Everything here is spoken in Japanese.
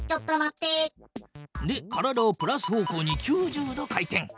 で体をプラス方向に９０度回転。